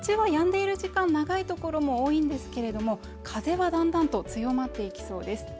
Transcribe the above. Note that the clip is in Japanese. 日中はやんでいる時間長いところも多いんですけれども風はだんだんと強まっていきそうです